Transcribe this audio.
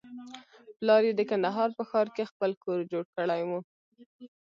پلار يې د کندهار په ښار کښې خپل کور جوړ کړى.